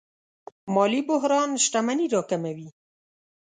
مالي بحران شتمني راکموي.